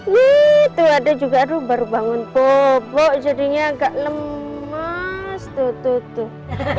wih tuh ada juga aduh baru bangun popok jadinya agak lemas tuh tuh tuh